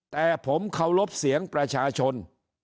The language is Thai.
แต่ผมเคารพเสียงประชาชน